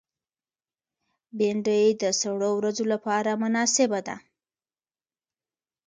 بېنډۍ د سړو ورځو لپاره مناسبه ده